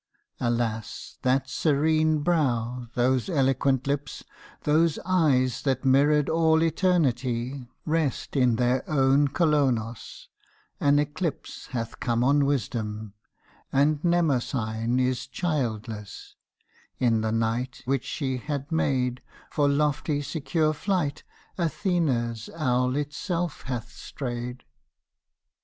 Alas! that serene brow, those eloquent lips, Those eyes that mirrored all eternity, Rest in their own Colonos, an eclipse Hath come on Wisdom, and Mnemosyne Is childless; in the night which she had made For lofty secure flight Athena's owl itself hath strayed.